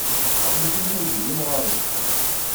Aql-iken yagi d imɣaren.